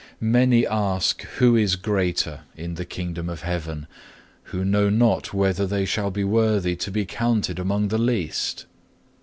"Many ask who is greatest in the Kingdom of Heaven, who know not whether they shall be worthy to be counted among the least.